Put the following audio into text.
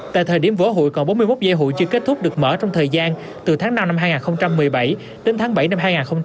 tại thời điểm vỡ hội còn bốn mươi một dây hụi chưa kết thúc được mở trong thời gian từ tháng năm năm hai nghìn một mươi bảy đến tháng bảy năm hai nghìn một mươi chín